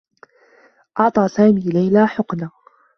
أعطى سامي ليلى حقنة.